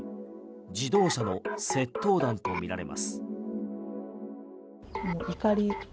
自動車の窃盗団とみられます。